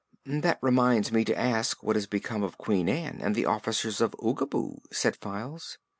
"That reminds me to ask what has become of Queen Ann and the Officers of Oogaboo," said Files.